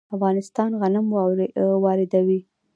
افغانستان غنم واردوي.